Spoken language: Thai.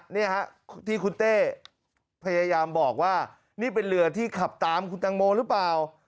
นี่ฮะที่คุณเต้พยายามบอกว่านี่เป็นเรือที่ขับตามคุณตังโมหรือเปล่า